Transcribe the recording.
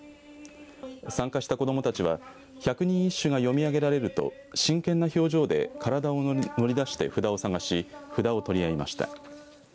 参加した子どもたちは百人一首が読み上げられると真剣な表情で体を乗り出して札を探し札を取り合いました。